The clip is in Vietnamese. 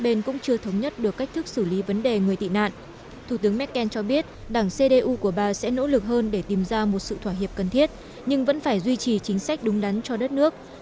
các bên cũng chưa thống nhất được cách thức xử lý vấn đề người tị nạn thủ tướng merkel cho biết đảng cdu của bà sẽ nỗ lực hơn để tìm ra một sự thỏa hiệp cần thiết nhưng vẫn phải duy trì chính sách đúng đắn cho đất nước